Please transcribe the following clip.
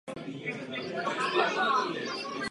V České republice podepsala dohodu města Hlučín a Vsetín.